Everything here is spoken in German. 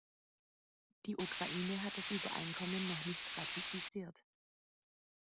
Die Ukraine hat das Übereinkommen noch nicht ratifiziert.